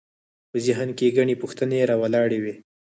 په ذهن کې ګڼې پوښتنې راولاړوي.